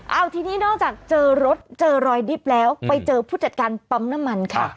เอาทีนี้นอกจากเจอรถเจอรอยดิบแล้วไปเจอผู้จัดการปั๊มน้ำมันค่ะ